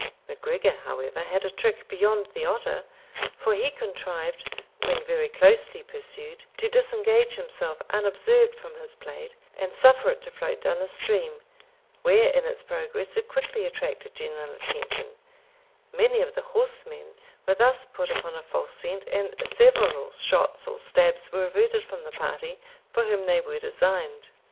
MacGregor, however, had a trick beyond the otter; for he contrived, when very closely pursued, to disengage himself unobserved from his plaid, and suffer it to float down the stream, where in its progress it quickly attracted general attention; many of the horsemen were thus put upon a false scent, and several shots or stabs were averted from the party for whom they were designed.